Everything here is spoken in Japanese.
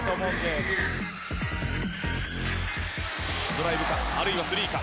ドライブかあるいはスリーか。